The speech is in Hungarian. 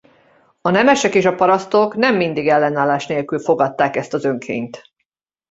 A nemesek és a parasztok nem mindig ellenállás nélkül fogadták ezt az önkényt.